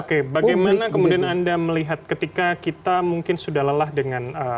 oke bagaimana kemudian anda melihat ketika kita mungkin sudah lelah dengan